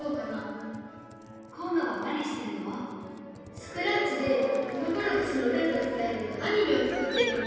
スクラッチでふぐころがしのルールを伝えるアニメを作っているんだ！